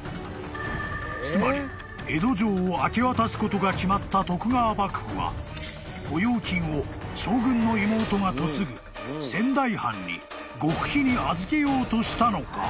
［つまり江戸城を明け渡すことが決まった徳川幕府は御用金を将軍の妹が嫁ぐ仙台藩に極秘に預けようとしたのか？］